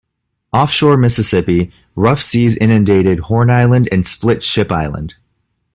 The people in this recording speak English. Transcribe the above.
Offshore Mississippi, rough seas inundated Horn Island and split Ship Island.